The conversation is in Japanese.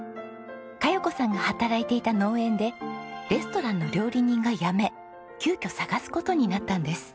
香葉子さんが働いていた農園でレストランの料理人が辞め急きょ探す事になったんです。